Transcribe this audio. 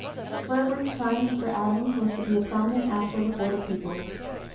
For a brief time Mr. Adams was to be a prominent actor before the people.